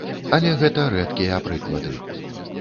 Але гэта рэдкія прыклады.